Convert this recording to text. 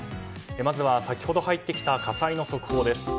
まずは先ほど入ってきた火災の速報です。